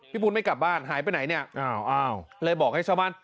พุทธไม่กลับบ้านหายไปไหนเนี่ยอ้าวเลยบอกให้ชาวบ้าน